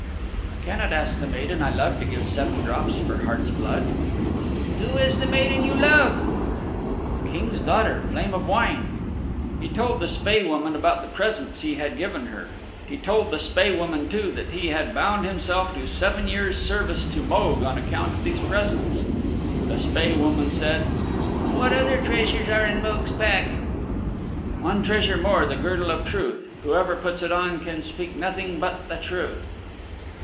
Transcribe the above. "I cannot ask the maiden I love to give seven drops of her heart's blood." "Who is the maiden you love?" "The King's daughter, Flame of Wine." He told the Spae Woman about the presents he had given her he told the Spae Woman too that he had bound himself to seven years' service to Mogue on account of these presents. The Spae Woman said, "What other treasures are in Mogue's pack?" "One treasure more the Girdle of Truth. Whoever puts it on can speak nothing but the truth."